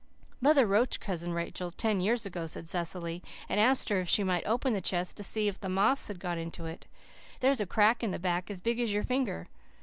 "Mother wrote to Cousin Rachel ten years ago," said Cecily, "and asked her if she might open the chest to see if the moths had got into it. There's a crack in the back as big as your finger.